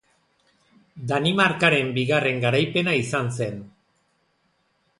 Danimarkaren bigarren garaipena izan zen.